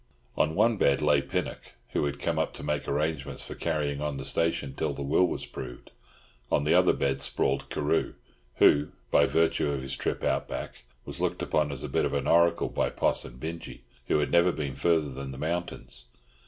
On one bed lay Pinnock, who had come up to make arrangements for carrying on the station till the will was proved. On another bed sprawled Carew, who, by virtue of his trip out back, was looked upon as a bit of an oracle by Poss and Binjie, who had never been further than the mountains.